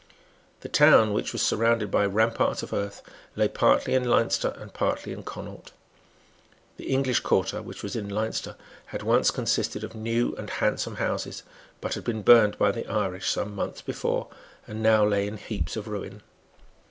The town, which was surrounded by ramparts of earth, lay partly in Leinster and partly in Connaught. The English quarter, which was in Leinster, had once consisted of new and handsome houses, but had been burned by the Irish some months before, and now lay in heaps of ruin.